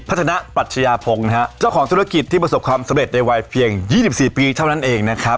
พัฒนาปรัชญาพงศ์นะฮะเจ้าของธุรกิจที่ประสบความสำเร็จในวัยเพียงยี่สิบสี่ปีเท่านั้นเองนะครับ